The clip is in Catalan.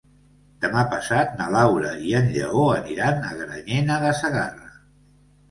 Demà passat na Laura i en Lleó aniran a Granyena de Segarra.